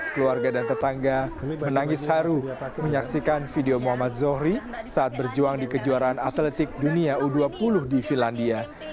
keluarga dan tetangga menangis haru menyaksikan video muhammad zohri saat berjuang di kejuaraan atletik dunia u dua puluh di finlandia